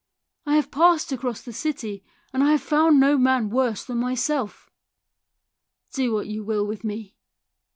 I have passed across the city, and I have found no man worse than myself. Do what you will with me."